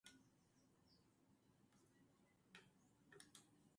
Miró-Sans era muy joven, impetuoso y ambicioso, como describe Santiago Codina.